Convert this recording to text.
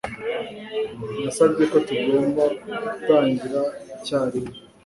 Nasabye ko tugomba gutangira icyarimwe.